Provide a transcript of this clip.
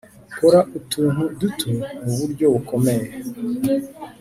kora utuntu duto muburyo bukomeye.